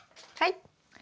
はい。